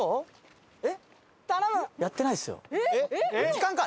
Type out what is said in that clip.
時間か？